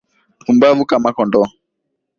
Pumbafu kama kondoo.